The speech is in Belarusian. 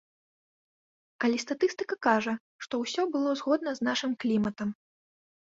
Але статыстыка кажа, што ўсё было згодна з нашым кліматам.